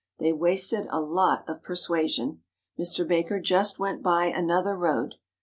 They wasted a lot of persuasion. Mr. Baker just went by another road.